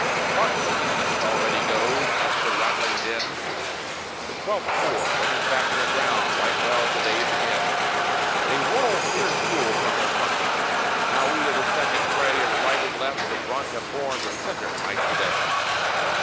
Hark! from the east already goes up the rattling din; The Twelfth Corps, winning back their ground, right well the day begin! They whirl fierce Ewell from their front! Now we of the Second pray, As right and left the brunt have borne, the centre might to day.